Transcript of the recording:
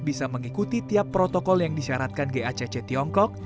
bisa mengikuti tiap protokol yang disyaratkan gacc tiongkok